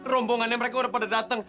rombongannya mereka udah pada datang